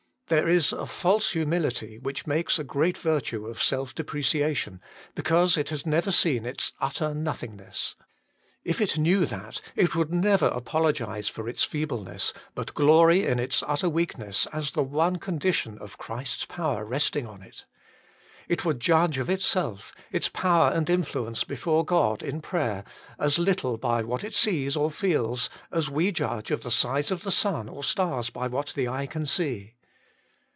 There is a false humility, which makes a great virtue of self depreciation, because it has never seen its utter nothingness. If it knew that, it would never apologise for its feebleness, but glory in its utter weakness, as the one condition of Christ s power resting on it. It would judge of itself, its power GOD SEEKS INTERCESSORS 173 aiid influence before God in prayer, as little by what it sees or feels, as we judge of the size of the sun or stars by what the eye can see.